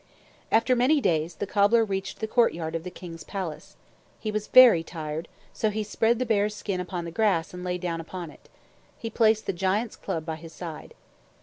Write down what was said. After many days, the cobbler reached the courtyard of the king's palace. He was very tired, so he spread the bear's skin upon the grass and lay down upon it. He placed the giant's club by his side.